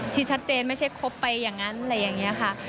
ที่ชัดเจนไม่ใช่ครบไปอย่างนั้นอะไรอย่างนี้ค่ะ